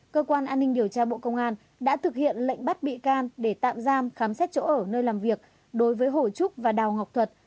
cơ quan an ninh điều tra bộ công an đã thực hiện lệnh bắt bị can để tạm giam khám xét chỗ ở nơi làm việc đối với hồ trúc và đào ngọc thuật